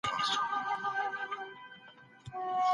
پیسې باید کار وکړي.